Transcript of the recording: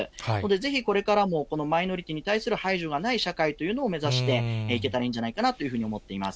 ぜひこれからも、このマイノリティに対する排除がない社会というのを目指していけたらいいんじゃないかなと思っています。